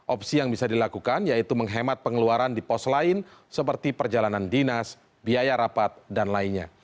opsi yang bisa dilakukan yaitu menghemat pengeluaran di pos lain seperti perjalanan dinas biaya rapat dan lainnya